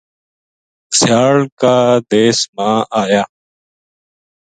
سیال کا دیس ما آیا